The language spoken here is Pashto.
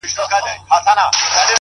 سم لكه ماهى يو سمندر تر ملا تړلى يم،